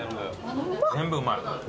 全部うまい。